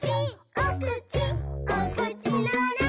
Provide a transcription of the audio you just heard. おくちおくちのなかに」